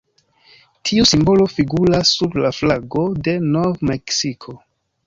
Tiu simbolo figuras sur la flago de Nov-Meksiko.